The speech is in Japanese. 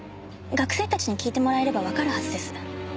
学生たちに聞いてもらえればわかるはずです。